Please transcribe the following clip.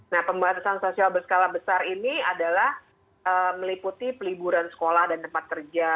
nah pembatasan sosial berskala besar ini adalah meliputi peliburan sekolah dan tempat kerja